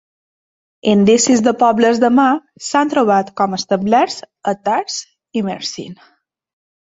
Indicis de pobles de mar s'han trobat com establerts a Tars i Mersin.